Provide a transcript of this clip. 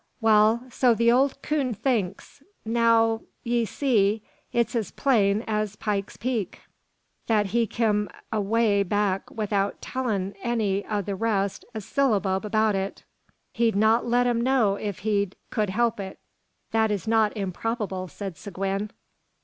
"Wal, so the ole 'coon thinks. Now, 'ee see, it's as plain as Pike's Peak that he kim away back 'ithout tellin' any o' the rest a syllabub about it. He'd not let 'em know if he kud help it." "That is not improbable," said Seguin.